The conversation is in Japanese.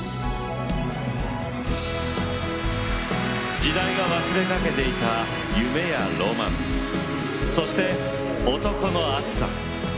時代が忘れかけていた夢やロマン、そして男の熱さ。